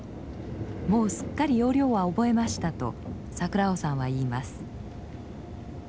「もうすっかり要領は覚えました」と桜麻さんは言います。